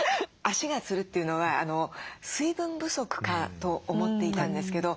足がつるっていうのは水分不足かと思っていたんですけど